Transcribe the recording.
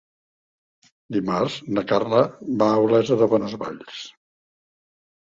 Dimarts na Carla va a Olesa de Bonesvalls.